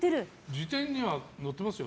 辞典には載っていますよ。